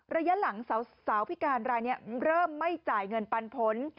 ระยะหลังสาวพิการรายนี้เริ่มไม่จ่ายเงินปันผล